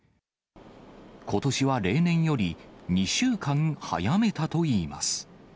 ことしは例年より２週間早めたといいます。